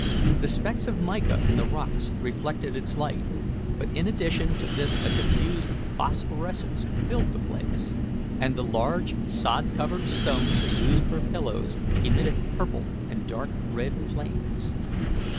The specks of mica in the rocks reflected its light, but in addition to this a diffused phosphorescence filled the place, and the large sod covered stones they used for pillows emitted purple and dark red flames.